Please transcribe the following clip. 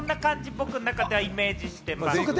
僕の中ではイメージしてる。